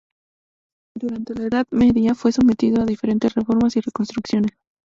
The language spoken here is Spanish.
Durante la Edad Media fue sometido a diferentes reformas y reconstrucciones.